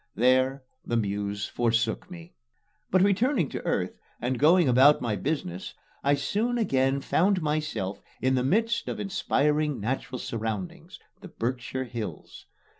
There the Muse forsook me. But, returning to earth and going about my business, I soon again found myself in the midst of inspiring natural surroundings the Berkshire Hills.